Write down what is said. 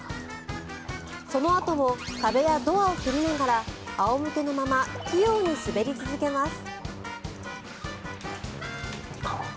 そのあとも壁やドアを蹴りながら仰向けのまま器用に滑り続けます。